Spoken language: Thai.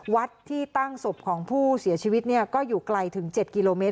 วัดที่ตั้งศพของผู้เสียชีวิตก็อยู่ไกลถึง๗กิโลเมตร